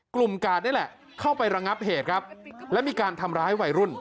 กาดนี่แหละเข้าไประงับเหตุครับและมีการทำร้ายวัยรุ่น